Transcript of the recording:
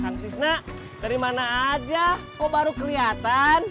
kan prisna dari mana aja kok baru keliatan